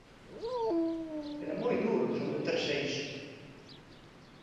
¡Era moi duro someterse a iso!